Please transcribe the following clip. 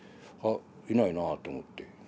「あいないなあ」と思って。